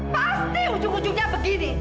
pasti ujung ujungnya begini